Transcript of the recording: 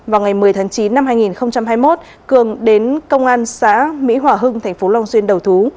vào ngày một mươi tháng chín năm hai nghìn hai mươi một cường đến công an xã mỹ hỏa hưng tp long xuyên đầu thú